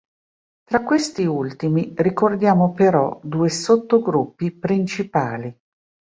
Tra questi ultimi ricordiamo però due sottogruppi principali.